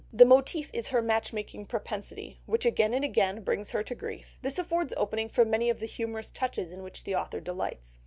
The motif is her match making propensity, which again and again brings her to grief; this affords opening for many of the humorous touches in which the author delights.